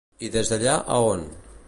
I des d'allà a on?